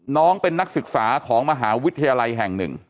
น้องเป็นนักศึกษาของมหาวิทยาลัยแห่งหนึ่ง